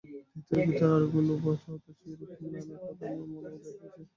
ভিতরে আরামের লোভ আছে, অথচ– এইরকম নানা কথা আমার মনে উদয় হয়েছিল।